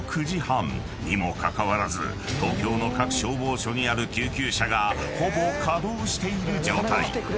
［にもかかわらず東京の各消防署にある救急車がほぼ稼働している状態］